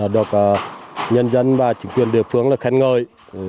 được nhân dân và chính quyền địa phương khen ngợi